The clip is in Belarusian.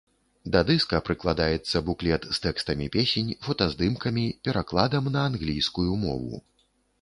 Да дыска прыкладаецца буклет з тэкстамі песень, фотаздымкамі, перакладам на англійскую мову.